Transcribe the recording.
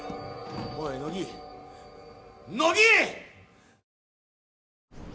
おい乃木乃木！